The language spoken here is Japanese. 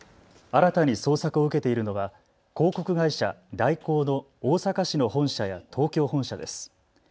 新たに捜索を受けているのは広告会社、大広の大阪市の本社や東京本社です。